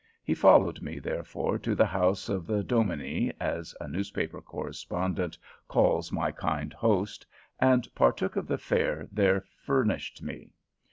He followed me, therefore, to the house of the "Dominie," as a newspaper correspondent calls my kind host, and partook of the fare there furnished me.